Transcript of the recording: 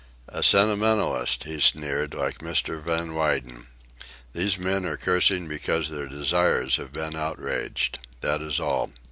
"A sentimentalist," he sneered, "like Mr. Van Weyden. Those men are cursing because their desires have been outraged. That is all.